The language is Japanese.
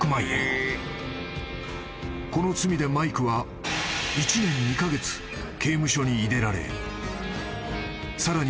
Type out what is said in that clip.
［この罪でマイクは１年２カ月刑務所に入れられさらに